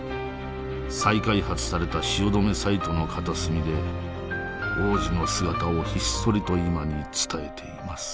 再開発された汐留サイトの片隅で往時の姿をひっそりと今に伝えています